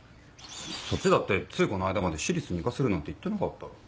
そっちだってついこの間まで私立に行かせるなんて言ってなかったろ？